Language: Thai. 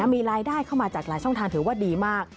มีรายได้เข้ามาจากหลายช่องทางถือว่าดีมาก